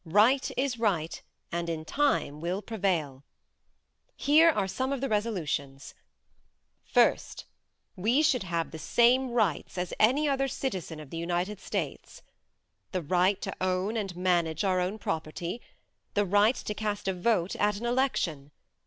Right is right and in time will prevail. Here are some of the resolutions: First: We should have the same right as any other citizen of the United States. The right to own and manage our own property. The right to cast a vote at an election.